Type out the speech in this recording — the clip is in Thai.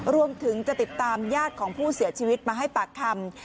รวมถึงจะติดตามญาติของผู้เสียชีวิตมาให้ปากคำ